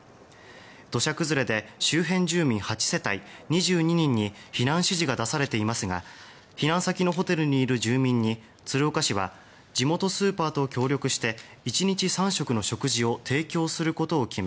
土砂崩れで周辺住民８世帯２２人に避難指示が出されていますが避難先のホテルにいる住民に鶴岡市は地元スーパーと協力して１日３食の食事を提供することを決め